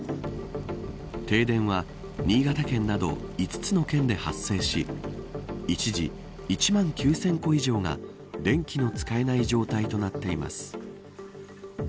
停電は、新潟県など５つの県で発生し一時、１万９０００戸以上が電気の使えない状態となっています。